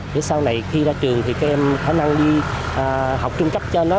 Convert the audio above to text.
thế sau này khi ra trường thì các em khả năng đi học trung cấp cho nó